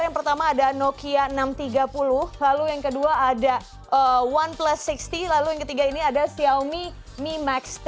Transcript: yang pertama ada nokia enam ratus tiga puluh lalu yang kedua ada satu plus enam puluh lalu yang ketiga ini ada xiaomi mi max tiga